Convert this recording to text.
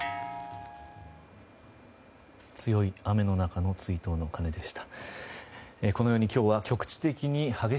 強い雨の中の追悼の鐘でした。